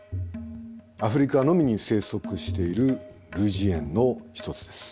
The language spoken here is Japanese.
アフリカのみに生息している類人猿の一つです。